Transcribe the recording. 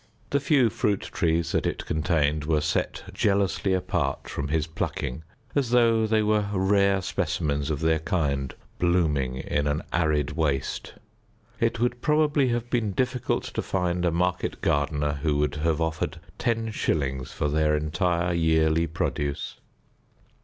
The few fruit trees that it contained were set jealously apart from his plucking, as though they were rare specimens of their kind blooming in an arid waste; it would probably have been difficult to find a market gardener who would have offered ten shillings for their entire yearly produce.